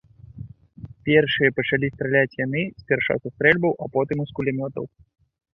Першыя пачалі страляць яны, спярша са стрэльбаў, а потым і з кулямётаў.